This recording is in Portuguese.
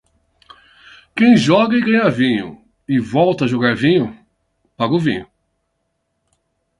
Quem joga e ganha vinho, e volta a jogar vinho, paga o vinho.